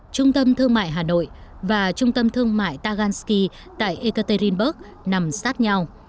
trung tâm thương mại hà nội và trung tâm thương mại tagansky tại ekaterinburg nằm sát nhau